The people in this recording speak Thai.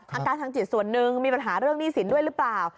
อาการทางจิตส่วนหนึ่งมีปัญหาเรื่องหนี้สินด้วยหรือเปล่า